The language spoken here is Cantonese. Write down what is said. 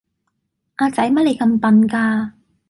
阿仔乜你咁笨架